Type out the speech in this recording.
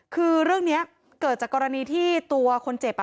คือเรื่องนี้เกิดจากกรณีที่ตัวคนเจ็บ